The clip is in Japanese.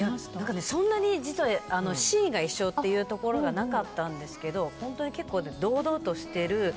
そんなにシーンが一緒のところがなかったんですけど本当に結構、堂々としていて。